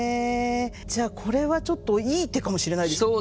じゃあこれはちょっといい手かもしれないですね。